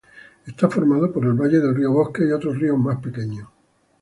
Está formado por el valle del río Bosque y otros ríos más pequeños.